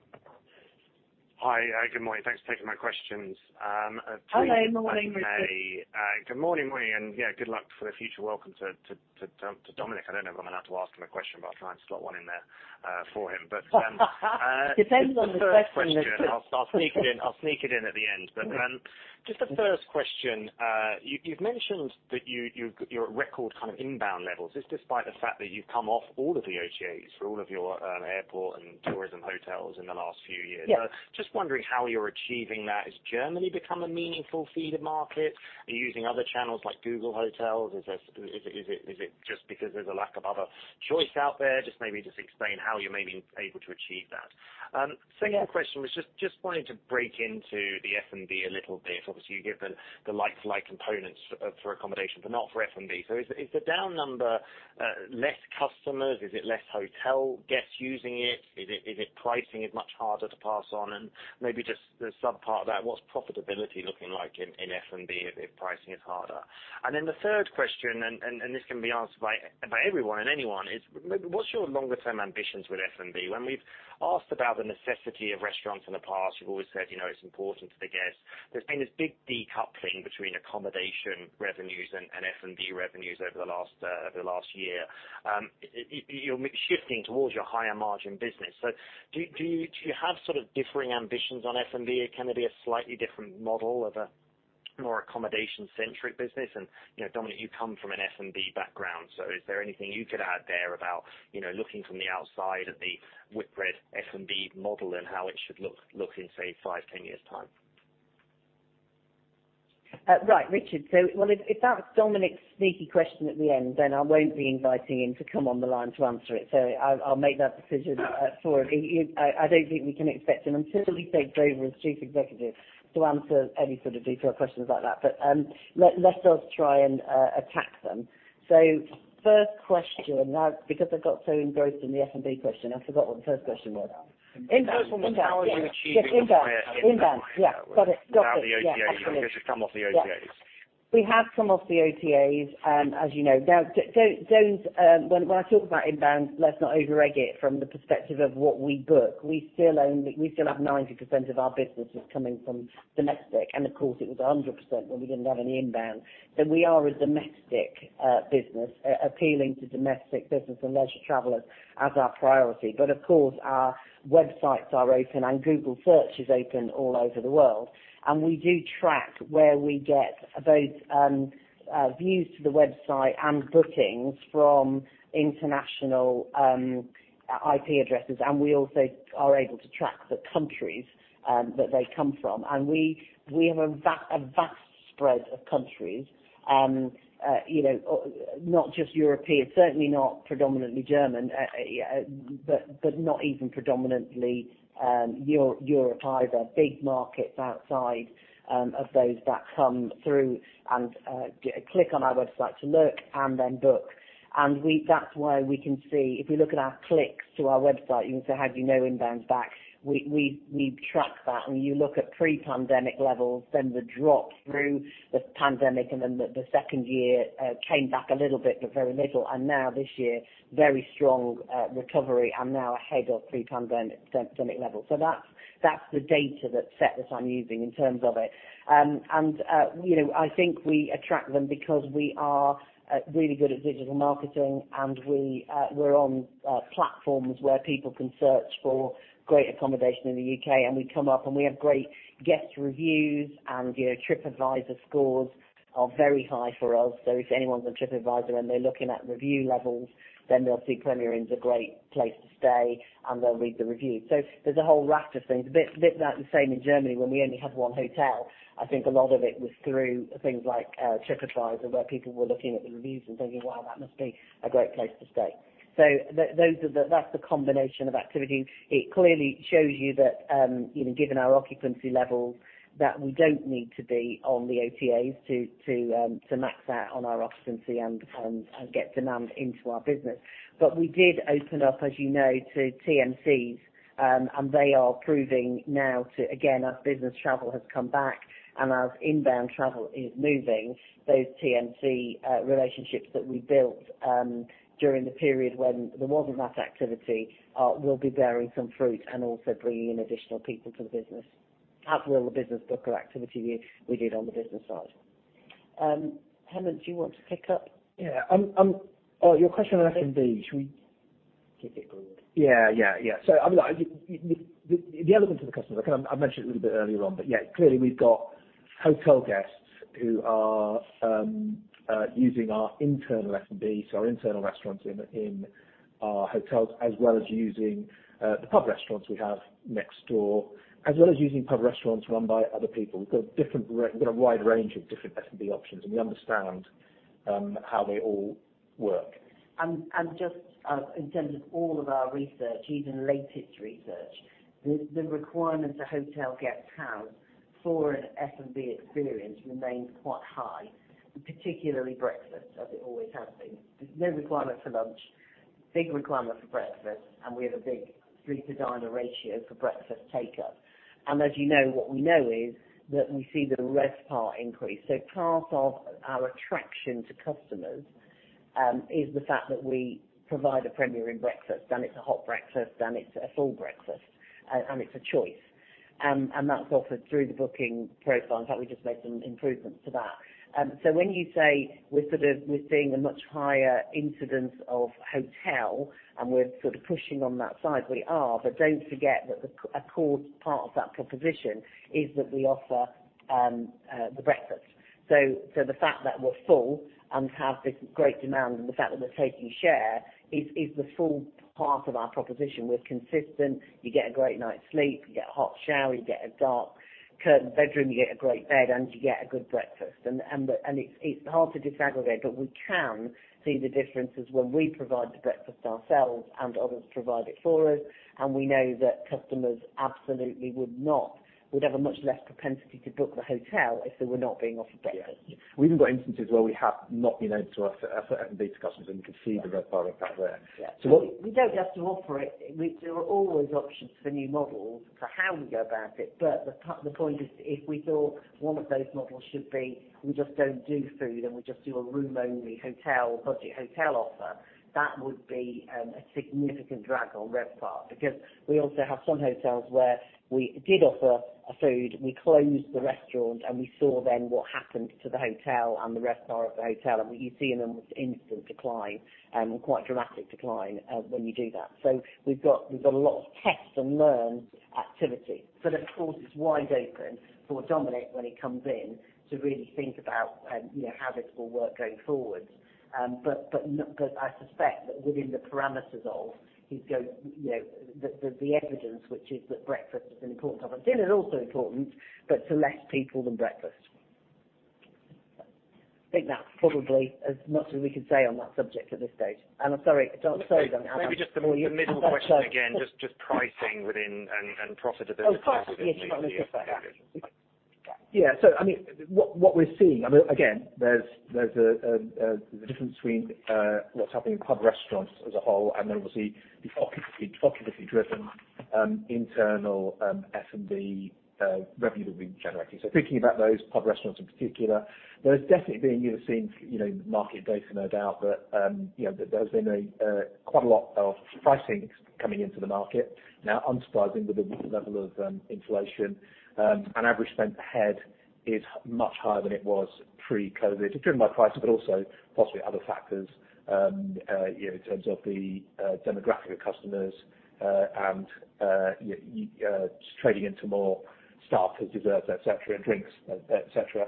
[SPEAKER 12] Hi. Good morning. Thanks for taking my questions.
[SPEAKER 2] Hi there. Morning, Richard.
[SPEAKER 12] Good morning. Yeah, good luck for the future. Welcome to Dominic. I don't know if I'm allowed to ask him a question, but I'll try and slot one in there for him.
[SPEAKER 2] Depends on the question, Richard.
[SPEAKER 12] The first question, I'll sneak it in at the end. Just the first question. You've mentioned that you're at record kind of inbound levels. This despite the fact that you've come off all of the OTAs for all of your airport and tourism hotels in the last few years.
[SPEAKER 2] Yeah.
[SPEAKER 12] Just wondering how you're achieving that. Has Germany become a meaningful feeder market? Are you using other channels like Google Hotels? Is it just because there's a lack of other choice out there? Just maybe explain how you're able to achieve that.
[SPEAKER 2] Yeah.
[SPEAKER 12] Second question was just wanting to break into the F&B a little bit. Obviously, you give the like-for-like components for accommodation, but not for F&B. Is the down number less customers? Is it less hotel guests using it? Is it pricing is much harder to pass on? Maybe just the sub part of that, what's profitability looking like in F&B if pricing is harder? The third question, and this can be answered by everyone and anyone, is maybe what's your longer term ambitions with F&B? When we've asked about the necessity of restaurants in the past, you've always said, you know, it's important to the guests. There's been this big decoupling between accommodation revenues and F&B revenues over the last over the last year. You're shifting towards your higher margin business. Do you have sort of differing ambitions on F&B? Can they be a slightly different model of a more accommodation-centric business? You know, Dominic, you come from an F&B background, so is there anything you could add there about, you know, looking from the outside of the Whitbread F&B model and how it should look in, say,, 10 years' time?
[SPEAKER 2] Right. Richard. Well, if that's Dominic's sneaky question at the end, then I won't be inviting him to come on the line to answer it. I'll make that decision for him. I don't think we can expect him until he's made Grover as Chief Executive to answer any sort of detailed questions like that. Let us try and attack them. First question. Now, because I got so engrossed in the F&B question, I forgot what the first question was.
[SPEAKER 12] Inbound.
[SPEAKER 2] Inbound.
[SPEAKER 12] How are you?
[SPEAKER 2] Yes, inbound.
[SPEAKER 12] the higher inbound
[SPEAKER 2] Inbound. Yeah.
[SPEAKER 12] -levels?
[SPEAKER 2] Got it.
[SPEAKER 12] Without the OTA.
[SPEAKER 2] Yeah. Got it.
[SPEAKER 12] You've actually come off the OTAs.
[SPEAKER 2] Yeah. We have come off the OTAs, as you know. Now, don't. When I talk about inbound, let's not overegg it from the perspective of what we book. We still have 90% of our business is coming from domestic, and of course it was 100% when we didn't have any inbound. We are a domestic business appealing to domestic business and leisure travelers as our priority. Of course our websites are open and Google search is open all over the world, and we do track where we get both views to the website and bookings from international IP addresses. We also are able to track the countries that they come from. We have a vast spread of countries, you know, not just European, certainly not predominantly German, yeah, not even predominantly Europe either. Big markets outside of those that come through and click on our website to look and then book. That's why we can see, if we look at our clicks to our website, you can say, "How do you know inbound's back?" We track that. When you look at pre-pandemic levels, then the drop through the pandemic, and then the second year came back a little bit, but very little. Now this year, very strong recovery and now ahead of pre-pandemic levels. That's the data set I'm using in terms of it. You know, I think we attract them because we are really good at digital marketing and we're on platforms where people can search for great accommodation in the U.K., and we come up, and we have great guest reviews and, you know, TripAdvisor scores are very high for us. If anyone's on TripAdvisor and they're looking at review levels, then they'll see Premier Inn's a great place to stay, and they'll read the reviews. There's a whole raft of things. A bit like the same in Germany when we only had one hotel. I think a lot of it was through things like TripAdvisor, where people were looking at the reviews and thinking, "Wow, that must be a great place to stay." Those are the... That's the combination of activities. It clearly shows you that, you know, given our occupancy levels, that we don't need to be on the OTAs to max out on our occupancy and get demand into our business. We did open up, as you know, to TMCs, and they are proving now. Again, as business travel has come back and as inbound travel is moving, those TMC relationships that we built during the period when there wasn't that activity, will be bearing some fruit and also bringing in additional people to the business, as will the business book of activity we did on the business side. Hemant, do you want to pick up?
[SPEAKER 4] Yeah. Oh, your question on F&B.
[SPEAKER 2] Give it Grover.
[SPEAKER 4] Yeah, yeah. I mean, like, the element of the customer, look, I mentioned it a little bit earlier on, but yeah, clearly we've got hotel guests who are using our internal F&B, so our internal restaurants in our hotels, as well as using the pub restaurants we have next door, as well as using pub restaurants run by other people. We've got a wide range of different F&B options, and we understand how they all work.
[SPEAKER 2] Just in terms of all of our research, even latest research, the requirement that hotel guests have for an F&B experience remains quite high, and particularly breakfast, as it always has been. There's no requirement for lunch, big requirement for breakfast, and we have a big 3-to-diner ratio for breakfast takeout. As you know, what we know is that we see the RevPAR increase. Part of our attraction to customers is the fact that we provide a Premier Inn breakfast, and it's a hot breakfast, and it's a full breakfast, and it's a choice. That's offered through the booking profile. In fact, we just made some improvements to that. When you say we're seeing a much higher incidence of hotel and we're sort of pushing on that side, we are. Don't forget that a core part of that proposition is that we offer the breakfast. The fact that we're full and have this great demand, and the fact that we're taking share, is the full part of our proposition. We're consistent. You get a great night's sleep, you get a hot shower, you get a dark curtained bedroom, you get a great bed, and you get a good breakfast. It's hard to disaggregate, but we can see the differences when we provide the breakfast ourselves and others provide it for us. And we know that customers absolutely would have a much less propensity to book the hotel if they were not being offered breakfast.
[SPEAKER 4] Yeah. We've even got instances where we have not been able to offer F&B to customers. We can see the RevPAR impact there.
[SPEAKER 2] Yeah.
[SPEAKER 4] So what-
[SPEAKER 2] We don't have to offer it. There are always options for new models for how we go about it. The point is, if we thought one of those models should be, we just don't do food, and we just do a room only hotel, budget hotel offer, that would be a significant drag on RevPAR. We also have some hotels where we did offer food, we closed the restaurant, and we saw then what happened to the hotel and the RevPAR of the hotel. What you see is an almost instant decline, quite dramatic decline, when you do that. We've got a lot of test and learn activity. Of course, it's wide open for Dominic when he comes in to really think about, you know, how this will work going forward. But I suspect that within the parameters of he's going, you know, the evidence, which is that breakfast is an important topic. Dinner is also important, but to less people than breakfast. I think that's probably as much as we can say on that subject at this stage. I'm sorry, don't say that, Alan.
[SPEAKER 12] Maybe just the middle question again, just pricing within and profitability within.
[SPEAKER 2] Oh, pricing, yes. Right. Let me just say that.
[SPEAKER 4] Yeah. I mean, what we're seeing, I mean, again, there's a difference between what's happening in pub restaurants as a whole and then obviously the occupancy driven internal F&B revenue that we're generating. Thinking about those pub restaurants in particular, there's definitely been, you've seen, you know, market data, no doubt, but, you know, there's been quite a lot of pricing coming into the market. Now, unsurprisingly, with the level of inflation, average spend per head is much higher than it was pre-COVID. It's driven by price, also possibly other factors, you know, in terms of the demographic of customers, just trading into more starters, desserts, et cetera, drinks, et cetera.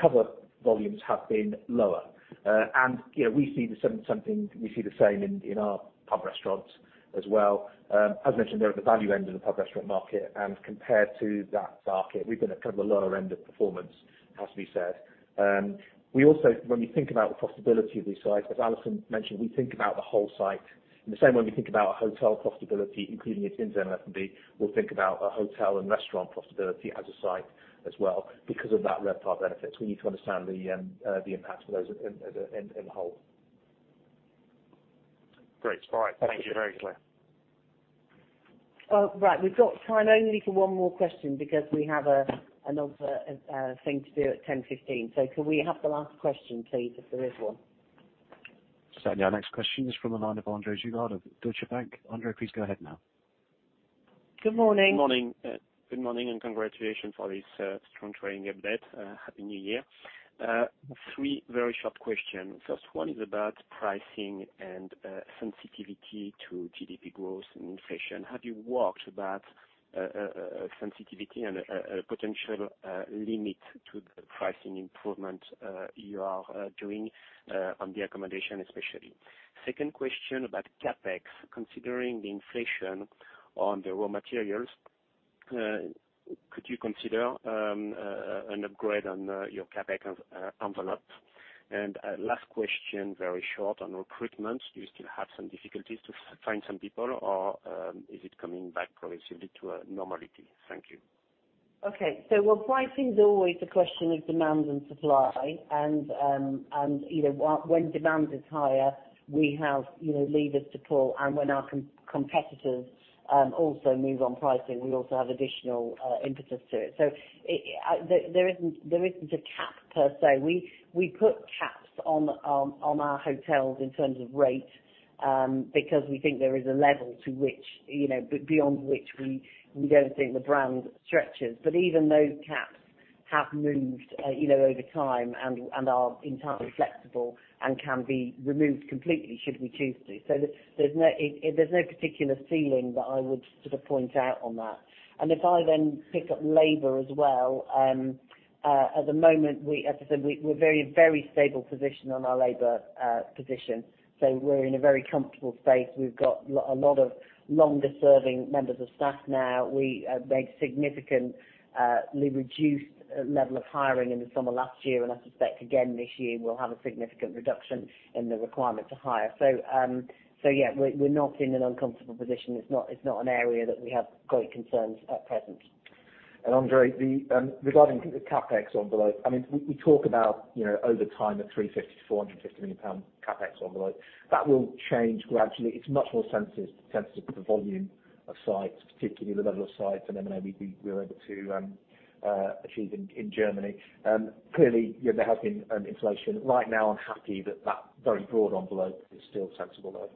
[SPEAKER 4] Cover volumes have been lower. You know, we see the same in our pub restaurants as well. As mentioned, they're at the value end of the pub restaurant market. Compared to that market, we've been at kind of the lower end of performance, it has to be said. We also, when we think about the profitability of these sites, as Alison mentioned, we think about the whole site. In the same way we think about a hotel profitability, including its internal F&B, we'll think about a hotel and restaurant profitability as a site as well because of that RevPAR benefits. We need to understand the impact of those as a, in whole.
[SPEAKER 12] Great. All right. Thank you. Very clear.
[SPEAKER 2] Right. We've got time only for one more question because we have another thing to do at 10:15 A.M. Could we have the last question, please, if there is one?
[SPEAKER 1] Certainly. Our next question is from the line of André Juillard of Deutsche Bank. Andre, please go ahead now.
[SPEAKER 2] Good morning.
[SPEAKER 13] Morning. Good morning. Congratulations on this strong trading update. Happy New Year. three very short questions. First one is about pricing and sensitivity to GDP growth and inflation. Have you walked that sensitivity and potential limit to the pricing improvement you are doing on the accommodation especially? Second question about CapEx. Considering the inflation on the raw materials, could you consider an upgrade on your CapEx envelope? Last question, very short, on recruitment. Do you still have some difficulties to find some people or is it coming back progressively to a normality? Thank you.
[SPEAKER 2] Well, pricing is always a question of demand and supply. When demand is higher, we have, you know, levers to pull. When our competitors also move on pricing, we also have additional impetus to it. There isn't a cap per se. We put caps on our hotels in terms of rate because we think there is a level to which, you know, beyond which we don't think the brand stretches. Even those caps have moved, you know, over time and are entirely flexible and can be removed completely should we choose to. There's no particular feeling that I would sort of point out on that. If I then pick up labor as well, at the moment we, as I said, we're very, very stable position on our labor position. We're in a very comfortable space. We've got a lot of longer serving members of staff now. We made a significantly reduced level of hiring in the summer last year. I suspect again this year we'll have a significant reduction in the requirement to hire. Yeah, we're not in an uncomfortable position. It's not, it's not an area that we have great concerns at present.
[SPEAKER 4] André, the, regarding the CapEx envelope, we talk about over time, a 350 million-450 million pound CapEx envelope. That will change gradually. It's much more sensitive to the volume of sites, particularly the level of sites and M&A we were able to achieve in Germany. Clearly, there has been inflation. Right now I'm happy that that very broad envelope is still sensible though.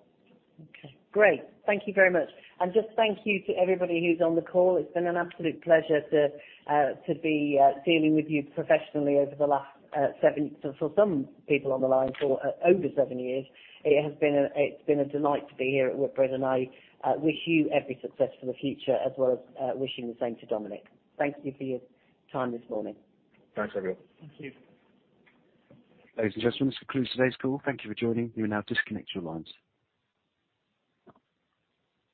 [SPEAKER 2] Okay, great. Thank you very much. Just thank you to everybody who's on the call. It's been an absolute pleasure to be dealing with you professionally over the last seven, for some people on the line, for over seven years. It's been a delight to be here at Whitbread. I wish you every success for the future as well as wishing the same to Dominic. Thank you for your time this morning.
[SPEAKER 4] Thanks, everyone.
[SPEAKER 13] Thank you.
[SPEAKER 1] Ladies and gentlemen, this concludes today's call. Thank you for joining. You will now disconnect your lines.